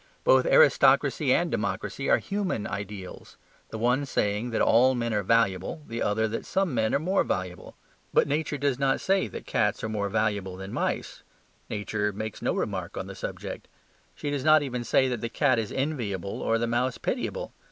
Both aristocracy and democracy are human ideals: the one saying that all men are valuable, the other that some men are more valuable. But nature does not say that cats are more valuable than mice; nature makes no remark on the subject. She does not even say that the cat is enviable or the mouse pitiable.